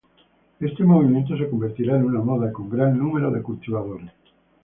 Este movimiento se convertirá en una moda, con gran número de cultivadores.